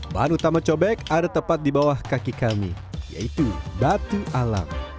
bahan utama cobek ada tepat di bawah kaki kami yaitu batu alam